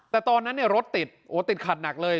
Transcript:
แต่ตอนนั้นรถติดติดขัดหนักเลย